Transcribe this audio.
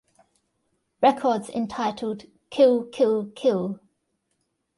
Records entitled "Kill Kill Kill".